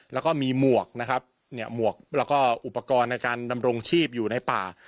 แล้วก็มีหมวกนะครับเนี่ยหมวกแล้วก็อุปกรณ์ในการดำรงชีพอยู่ในป่า